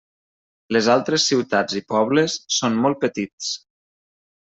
Les altres ciutats i pobles són molt petits.